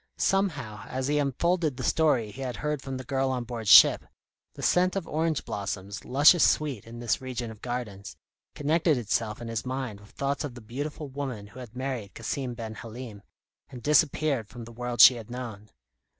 Somehow, as he unfolded the story he had heard from the girl on board ship, the scent of orange blossoms, luscious sweet in this region of gardens, connected itself in his mind with thoughts of the beautiful woman who had married Cassim ben Halim, and disappeared from the world she had known.